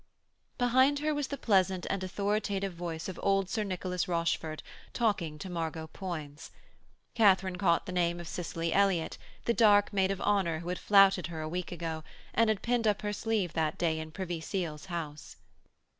Behind her was the pleasant and authoritative voice of old Sir Nicholas Rochford talking to Margot Poins. Katharine caught the name of Cicely Elliott, the dark maid of honour who had flouted her a week ago, and had pinned up her sleeve that day in Privy Seal's house.